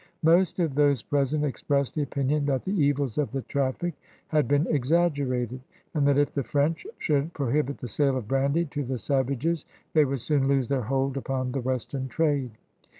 Most of those present expressed the opinion that the evils of the traffic had been exaggerated, and that if the French shotdd pro hibit the sale of brandy to the savages they would soon lose their hold upon the western trade.